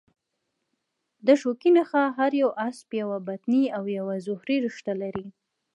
د شوکي نخاع هر یو عصب یوه بطني او یوه ظهري رشته لري.